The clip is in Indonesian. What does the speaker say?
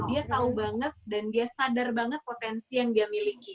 dia tahu banget dan dia sadar banget potensi yang dia miliki